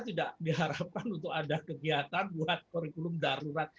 tidak diharapkan untuk ada kegiatan buat kurikulum darurat